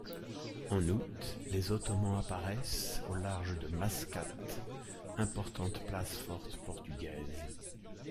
En août, les Ottomans apparaissent au large de Mascate, importante place forte portugaise.